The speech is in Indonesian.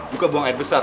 juga buang air besar